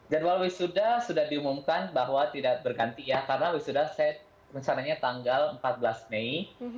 jadwal wisuda sudah diumumkan bahwa tidak berganti ya karena wisuda saya rencananya tanggal empat belas mei